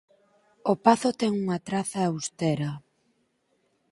O pazo ten unha traza austera.